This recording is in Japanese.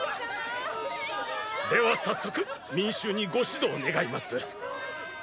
では早速民衆にご指導願います。